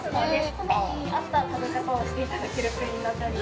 好みに合った食べ方をしていただけるプリンになっております。